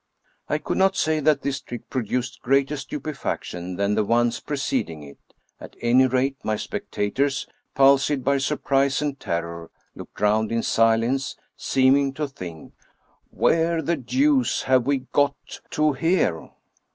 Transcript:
I could not say that this trick produced greater stupe faction than the ones preceding it: at any rate, my spec tators, palsied by surprise and terror, looked round in si lence, seeming to think, " Where the deuce have we got to here!"